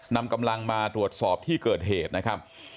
นำกำลังมาตรวจสอบที่เกิดเหตุนะครับ